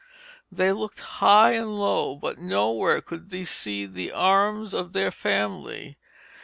They looked high and low, but nowhere could they see the arms of their family.